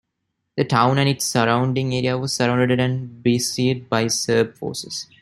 The town and its surrounding area was surrounded and besieged by Serb forces.